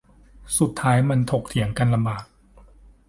สุดท้ายมันถกเถียงกันลำบาก